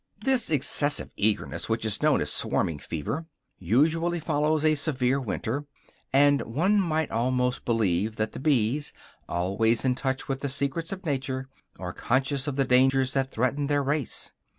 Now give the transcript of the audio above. This excessive eagerness, which is known as "swarming fever," usually follows a severe winter; and one might almost believe that the bees, always in touch with the secrets of nature, are conscious of the dangers that threaten their race.